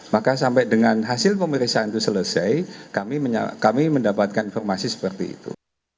maka sampai dengan hasil pemeriksaan itu selesai kami mendapatkan informasi seperti itu